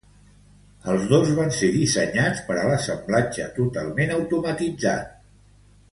Els dos van ser dissenyats per a l'assemblatge totalment automatitzat.